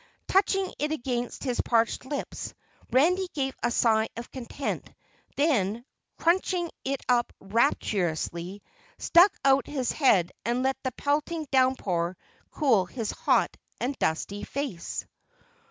Touching it against his parched lips, Randy gave a sigh of content, then crunching it up rapturously, stuck out his head and let the pelting downpour cool his hot and dusty face.